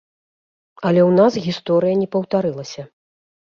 Але ў нас гісторыя не паўтарылася.